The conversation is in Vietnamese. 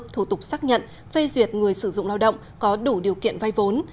thủ tục xác nhận phê duyệt người sử dụng lao động có đủ điều kiện vay vốn